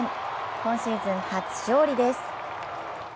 今シーズン初勝利です。